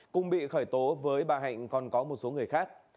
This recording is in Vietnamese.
cùng bị khởi tố với bà hạnh còn có một số người khác